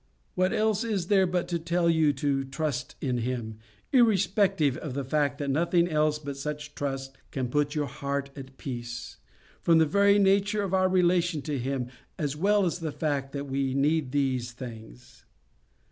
What else is there but to tell you to trust in Him, irrespective of the fact that nothing else but such trust can put our heart at peace, from the very nature of our relation to Him as well as the fact that we need these things.